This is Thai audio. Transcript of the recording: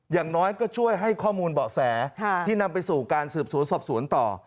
อย่างน้อยก็ช่วยให้ข้อมูลเบาะแสที่นำไปสู่การสืบสวนสอบสวนต่อ